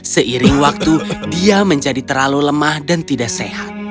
seiring waktu dia menjadi terlalu lemah dan tidak sehat